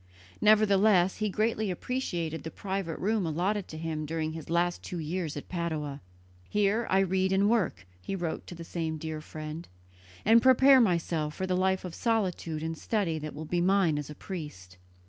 Nevertheless he greatly appreciated the private room allotted to him during his last two years at Padua. "Here I read and work," he wrote to the same dear friend, "and prepare myself for the life of solitude and study that will be mine as a priest."